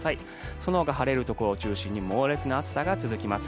そのほか晴れるところを中心に猛烈な暑さが続きます。